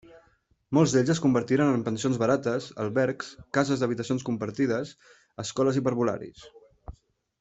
Molts d'ells es convertiren en pensions barates, albergs, cases d'habitacions compartides, escoles i parvularis.